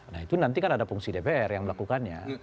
nah itu nanti kan ada fungsi dpr yang melakukannya